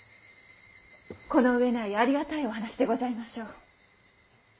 この上ないありがたいお話でございましょう。